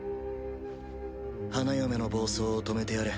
花嫁の暴走を止めてやれ。